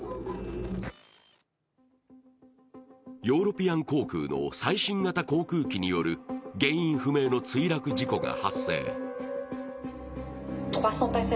ヨーロピアン航空の最新型航空機による原因不明の墜落事故が発生。